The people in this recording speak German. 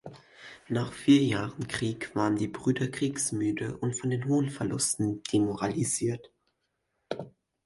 Nach vier Jahren Krieg waren die Bürger kriegsmüde und von den hohen Verlusten demoralisiert.